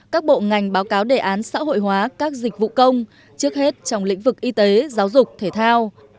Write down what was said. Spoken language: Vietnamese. các bộ ngành báo cáo đề án xã hội hóa các dịch vụ công trước hết trong lĩnh vực y tế giáo dục thể thao